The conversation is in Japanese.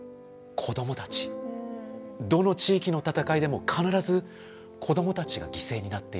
どの地域の戦いでも必ず子どもたちが犠牲になっている。